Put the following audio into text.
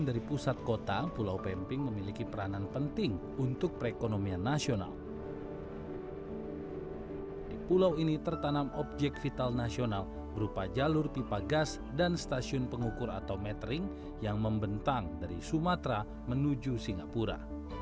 di pulau ini tertanam objek vital nasional berupa jalur pipa gas dan stasiun pengukur atau metering yang membentang dari sumatera menuju singapura